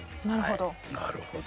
なるほど。